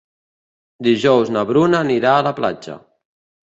Dijous na Bruna anirà a la platja.